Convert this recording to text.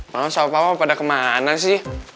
mama sama papa pada kemana sih